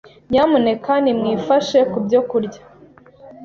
Nyamuneka nimwifashe kubyo kurya.